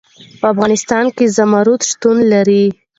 په افغانستان کې زمرد شتون لري.